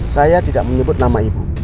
saya tidak menyebut nama ibu